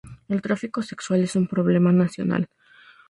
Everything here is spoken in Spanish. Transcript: El tráfico sexual es un problema nacional.